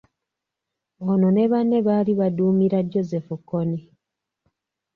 Ono ne banne baali baduumira Joseph Kony.